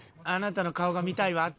「あなたの顔が見たいわ」